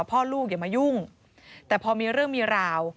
พ่อลูกอย่ามายุ่งแต่พอมีเรื่องมีราว